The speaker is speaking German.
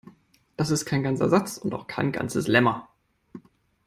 Das ist kein ganzer Satz und auch kein ganzes Lemma.